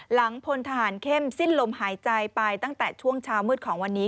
พลทหารเข้มสิ้นลมหายใจไปตั้งแต่ช่วงเช้ามืดของวันนี้